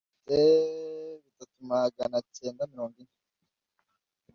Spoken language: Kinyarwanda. Twishimiye ko amaherezo dukora ibi cyane